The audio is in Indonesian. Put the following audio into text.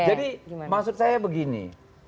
jadi maksud saya begini